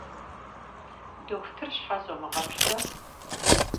Дохутыр щхьэ зомыгъэплърэ?